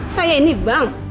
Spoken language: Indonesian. saya ini bank